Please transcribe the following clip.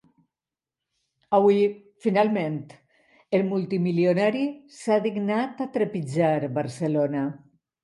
Avui, finalment, el multimilionari s'ha dignat a trepitjar Barcelona.